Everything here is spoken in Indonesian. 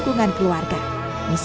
pertanyaan dari penulis